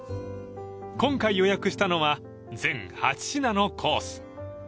［今回予約したのは全８品のコース］